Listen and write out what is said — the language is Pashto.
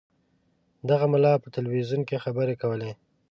دغه ملا په تلویزیون کې خبرې کولې.